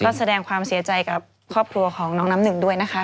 ก็แสดงความเสียใจกับครอบครัวของน้องน้ำหนึ่งด้วยนะคะ